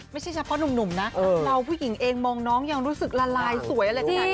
ไม่ใช่เฉพาะหนุ่มเราผู้หญิงเองมองน้องรู้สึกยังละลายสวย